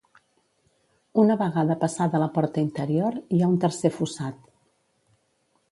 Una vegada passada la porta interior hi ha un tercer fossat.